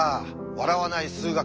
「笑わない数学」